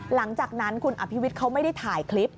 หลังจากนั้นคุณอภิวิตเขาไม่ได้ถ่ายคลิป